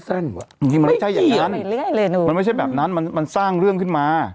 บางทีมันไม่ใช่อย่างนั้นมันไม่ใช่แบบนั้นมันมันสร้างเรื่องขึ้นมา